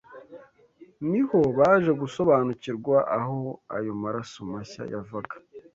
niho baje gusobanukirwa aho ayo maraso mashya yavaga